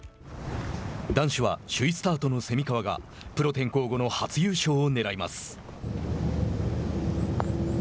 男子は首位スタートの蝉川がプロ転向後の初優勝をねらいます。